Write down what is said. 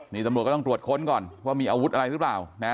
นี่ตำรวจก็ต้องตรวจค้นก่อนว่ามีอาวุธอะไรหรือเปล่านะ